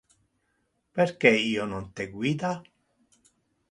Perque io non te guida?